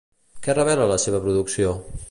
Què revela la seva producció?